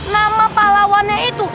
nama pahlawannya itu